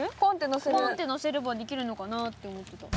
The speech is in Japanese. ポンってのせればできるのかなぁって思ってた。